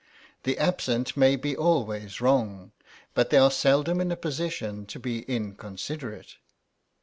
The absent may be always wrong, but they are seldom in a position to be inconsiderate.